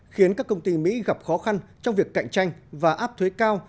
khiến các công ty mỹ gặp khó khăn trong việc cạnh tranh và áp thuế cao